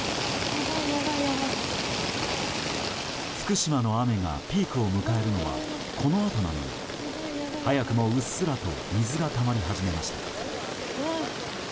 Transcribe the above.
福島の雨がピークを迎えるのはこのあとなのに早くも、うっすらと水がたまり始めました。